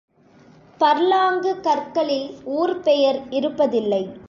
Furlong கற்களில் ஊர் பெயர் இருப்பதில்லை.